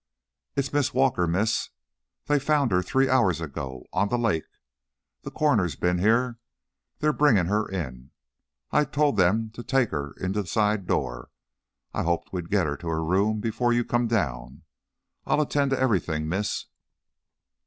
"It's Miss Walker, Miss. They found her three hours ago on the lake. The coroner's been here. They're bringing her in. I told them to take her in the side door. I hoped we'd get her to her room before you come down. I'll attend to everything, Miss."